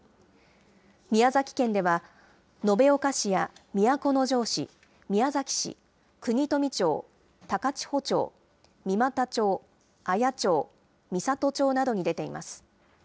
宮崎県では延岡市や都城市、宮崎市、国富町、高千穂町、三股町、綾町、美郷町などに出ています。